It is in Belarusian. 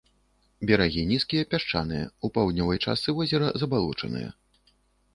Берагі нізкія, пясчаныя, у паўднёвай частцы возера забалочаныя.